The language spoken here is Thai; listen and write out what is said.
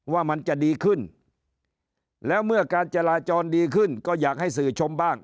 ว่ามันจะดีขึ้นแล้วเมื่อการจราจรดีขึ้นก็อยากให้สื่อชมบ้าง